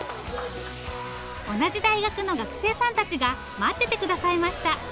同じ大学の学生さんたちが待ってて下さいました。